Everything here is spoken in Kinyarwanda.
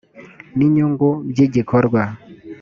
n inyungu by igikorwa